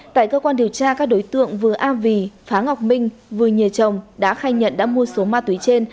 tại cơ quan điều tra các đối tượng vừa a vì phá ngọc minh vừa nhờ chồng đã khai nhận đã mua số ma túy trên